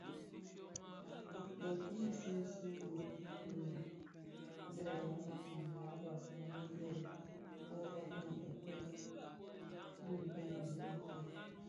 Bi ki see see dhifuu di bè yabantu (ya Bafia) be kibèè kō bani bëftëg bis fèeg a ntonto.